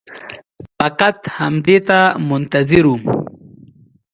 فقط همدې ته منتظر وم.